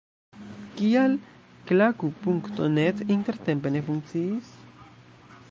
Kial Klaku.net intertempe ne funkciis?